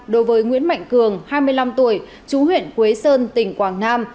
đối với nguyễn mạnh cường hai mươi năm tuổi chú huyện quế sơn tỉnh quảng nam